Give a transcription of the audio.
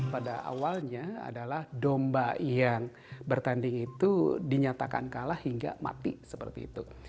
pada awalnya adalah domba yang bertanding itu dinyatakan kalah hingga mati seperti itu